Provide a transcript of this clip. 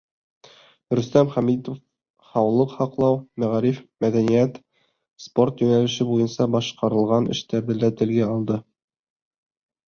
Рөстәм Хәмитов һаулыҡ һаҡлау, мәғариф, мәҙәниәт, спорт йүнәлеше буйынса башҡарылған эштәрҙе лә телгә алды.